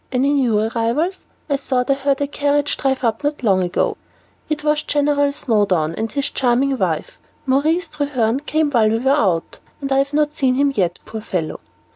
Any new arrivals? I thought I heard a carriage drive up not long ago." "It was General Snowdon and his charming wife. Maurice Treherne came while we were out, and I've not seen him yet, poor fellow!"